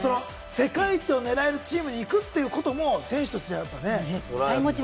世界一を狙えるチームに行くということも選手としてはね。